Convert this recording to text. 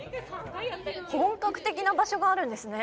本格的な場所があるんですね。